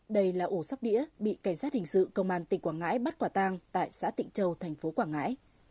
đây là ổ sóc đĩa bị cảnh sát hình sự công an tỉnh quảng ngãi bắt quả tang tại xã tịnh châu thành phố quảng ngãi